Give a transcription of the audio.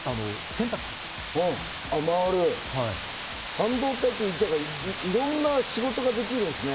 半導体っていろんな仕事ができるんすね。